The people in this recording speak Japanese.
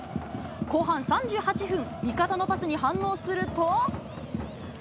後半３８分、味方のパスに反応すると。